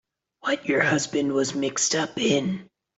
What your husband was mixed up in.